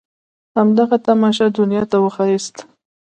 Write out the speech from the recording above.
همدغه تماشه دنيا ته وښاياست.